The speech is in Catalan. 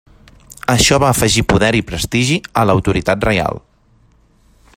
Això va afegir poder i prestigi a l'autoritat reial.